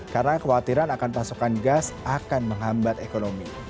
karena kekhawatiran akan pasokan gas akan menghambat ekonomi